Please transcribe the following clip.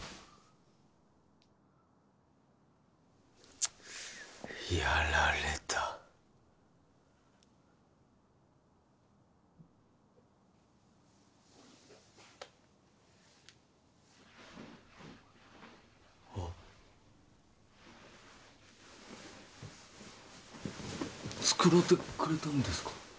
チッやられたあッ繕うてくれたんですか？